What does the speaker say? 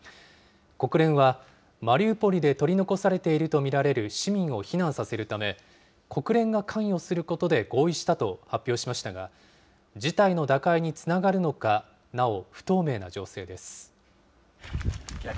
国連は、マリウポリで取り残されていると見られる市民を避難させるため、国連が関与することで合意したと発表しましたが、事態の打開につながるのか、なお不透明な情勢です。